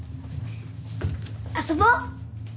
遊ぼう。